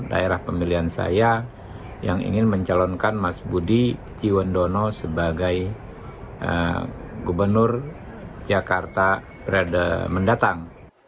daerah pemilihan saya yang ingin mencalonkan mas budi ciwandono sebagai gubernur jakarta periode mendatang